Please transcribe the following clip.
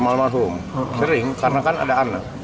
almarhum sering karena kan ada anak